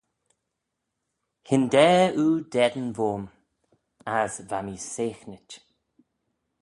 Hyndaa oo dt'eddin voym: as va mee seaghnit.